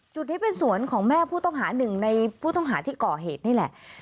จุดนี้เป็นสวนของแม่ผู้ต้องหาหนึ่งในผู้ต้องหาที่ก่อเหตุนี่แหละ